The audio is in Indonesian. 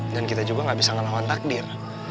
dan kita juga gak bisa ngelawan takdir